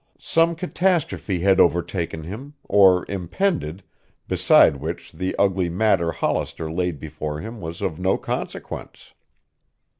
Some catastrophe had overtaken him, or impended, beside which the ugly matter Hollister laid before him was of no consequence.